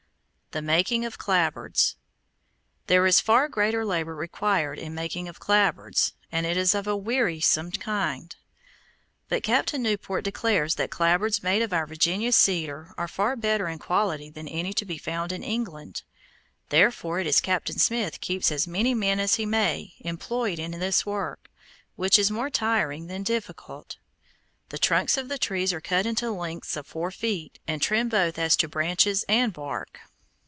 THE MAKING OF CLAPBOARDS There is far greater labor required in the making of clapboards, and it is of a wearisome kind; but Captain Newport declares that clapboards made of our Virginia cedar are far better in quality than any to be found in England. Therefore it is Captain Smith keeps as many men as he may, employed in this work, which is more tiring than difficult. The trunks of the trees are cut into lengths of four feet, and trimmed both as to branches and bark.